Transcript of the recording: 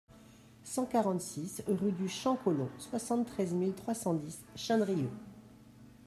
cent quarante-six rue du Champ Collomb, soixante-treize mille trois cent dix Chindrieux